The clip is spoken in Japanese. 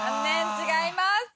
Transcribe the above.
違います。